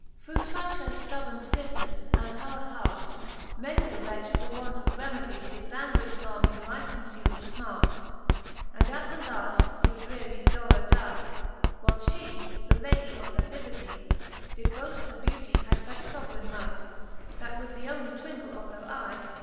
XXXI. Through fuch her ftubborne ftifnefle, and hard hart, Many a wretch, for want of remedie. Did languifh long in life confuming fmart, And at the laft through dreary dolour die : Whyleft Ihe, the Ladie of her libertie, Did boaft her beautie had fuch foveraine might, That with the onely twinckle of her eye.